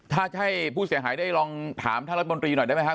ถ้าให้ผู้เสียหายได้ลองถามท่านรัฐมนตรีหน่อยได้ไหมครับ